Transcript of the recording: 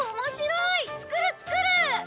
作る作る！